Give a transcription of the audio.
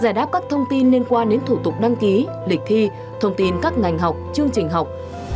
giải đáp các thông tin liên quan đến thủ tục đăng ký lịch thi thông tin các ngành học chương trình học